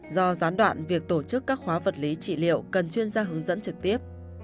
do gián đoạn việc tổ chức các khóa vật lý trị liệu cần chuyên gia hướng dẫn trực tiếp